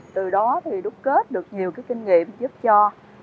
từ đó thì đúc kết được nhiều cái kinh nghiệm giúp cho